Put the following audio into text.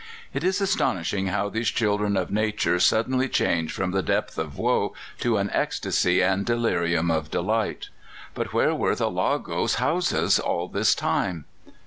It is astonishing how these children of Nature suddenly change from the depth of woe to an ecstasy and delirium of delight. But where were the Lagos Hausas all this time?